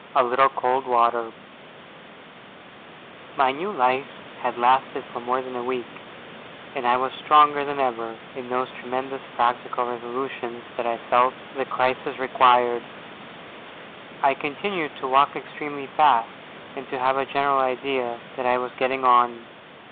A LITTLE COLD WATER My new life had lasted for more than a week, and I was stronger than ever in those tremendous practical resolutions that I felt the crisis required. I continued to walk extremely fast, and to have a general idea that I was getting on.